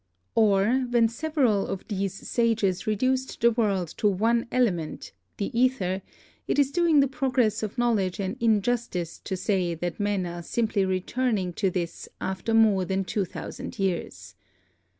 Or, when several of these sages reduced the world to one element, the ether, it is doing the progress of knowl edge an injustice to say that men are simply returning to this after more than two thousand years.